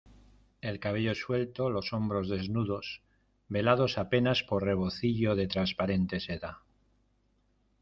el cabello suelto, los hombros desnudos , velados apenas por rebocillo de transparente seda.